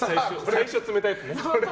最初冷たいやつね。